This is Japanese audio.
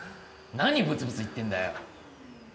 なにブツブツ言ってんだよ！